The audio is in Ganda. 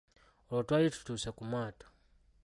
Olwo twali tutuuse ku maato.